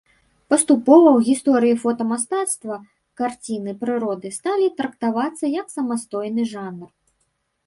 Паступова ў гісторыі фотамастацтва карціны прыроды сталі трактавацца як самастойны жанр.